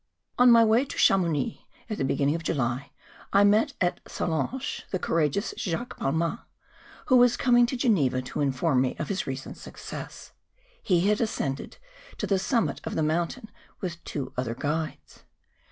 On my way to Chamoimix, in the beginning of July, I met at Sallenche tlie courageous Jacques Balmat, who was coming to Geneva to inform me of his recent success : he had ascended to the summit of the mountain with two other guides.